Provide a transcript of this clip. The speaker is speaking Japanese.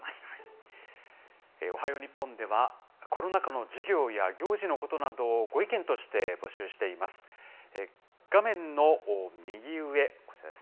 おはよう日本では、コロナ禍の授業や行事のことなどを、ご意見として募集しています。